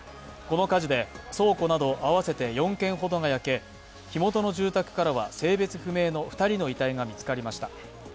この火事で、倉庫など合わせて４軒ほどが焼け、火元の住宅からは性別不明の２人の遺体が見つかりました。